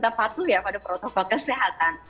ya itu yang terakhir ya pada protokol kesehatan